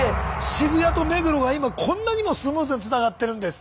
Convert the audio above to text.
渋谷と目黒が今こんなにもスムーズにつながってるんです。